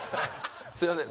すみません。